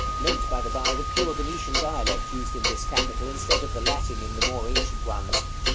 Note, by the by, the pure Venetian dialect used in this capital, instead of the Latin in the more ancient ones.